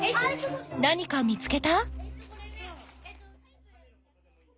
何か見つけた？